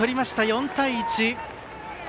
４対１。